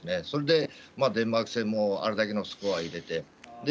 それで、デンマーク戦もあれだけのスコア入れて。